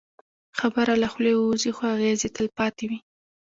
خبره له خولې ووځي، خو اغېز یې تل پاتې وي.